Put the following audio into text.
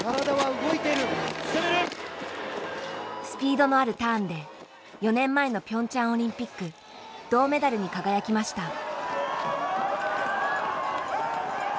スピードのあるターンで４年前のピョンチャンオリンピック銅メダルに輝きました。